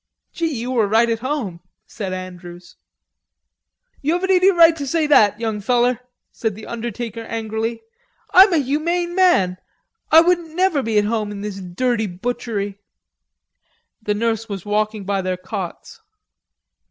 "Gee, you were right at home!" said Andrews. "You haven't any right to say that, young feller," said the undertaker angrily. "I'm a humane man. I won't never be at home in this dirty butchery." The nurse was walking by their cots.